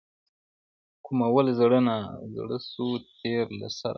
کومول زړه نا زړه سو تېر له سر او تنه؛